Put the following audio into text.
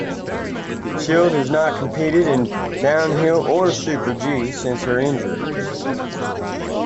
Schild has not competed in downhill or super-G since her injury.